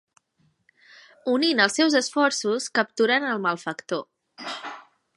Unint els seus esforços, capturen el malfactor.